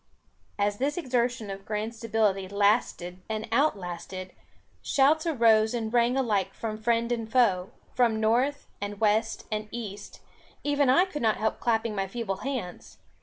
As this exertion of grand stability lasted and outlasted, shouts arose and rang alike from friend and foe, from north, and west, and east; even I could not help clapping my feeble hands.